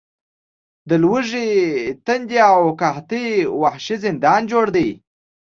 د لوږې، تندې او قحطۍ وحشي زندان جوړ دی.